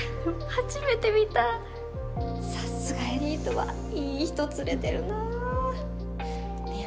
初めて見たさすがエリートはいい人連れてるなねえ